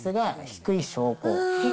低い証拠？